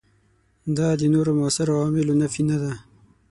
دا د نورو موثرو عواملونو نفي نه ده.